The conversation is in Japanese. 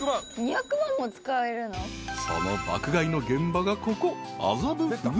［その爆買いの現場がここ］